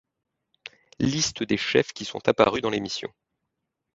Listes des chefs qui sont apparus dans l'émission.